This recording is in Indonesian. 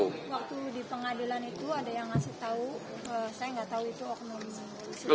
waktu di pengadilan itu ada yang ngasih tahu saya nggak tahu itu oknum